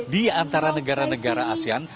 di antara negara negara asean